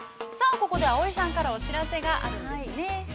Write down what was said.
ここで葵さんからお知らせがあるんですね。